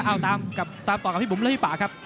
เอาตามพี่ปูมและพี่ป่าครับ